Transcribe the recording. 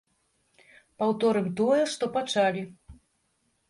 Паўторым тое, што пачалі.